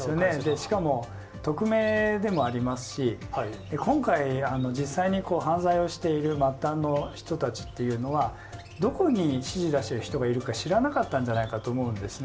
しかも匿名でもありますし、今回、実際に犯罪をしている末端の人たちっていうのは、どこに指示出してる人がいるか知らなかったんじゃないかと思うんですね。